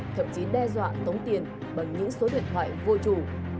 thậm chí đe dọa tống tiền bằng những số điện thoại vô chủ